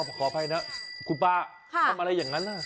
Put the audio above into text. ขออภัยนะคุณป้าทำอะไรอย่างนั้นล่ะ